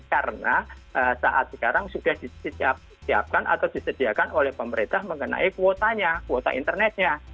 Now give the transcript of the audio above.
karena saat sekarang sudah disediakan oleh pemerintah mengenai kuotanya kuota internetnya